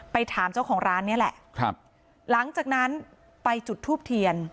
ถามเจ้าของร้านนี้แหละครับหลังจากนั้นไปจุดทูบเทียน